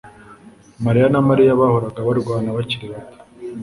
mariya na Mariya bahoraga barwana bakiri bato